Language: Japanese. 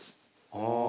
ああ。